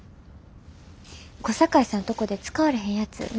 小堺さんとこで使われへんやつもらってきた。